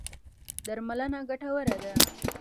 درملنه ګټوره ده.